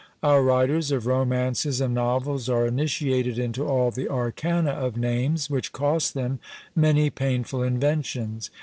Our writers of romances and novels are initiated into all the arcana of names, which cost them many painful inventions.